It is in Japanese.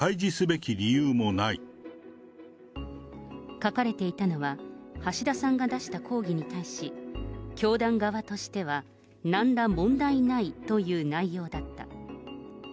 書かれていたのは、橋田さんが出した抗議に対し、教団側としては、なんら問題ないという内容だった。